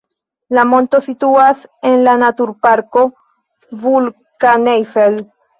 La monto situas en la Naturparko Vulkaneifel.